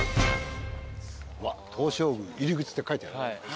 東照宮入口って書いてある。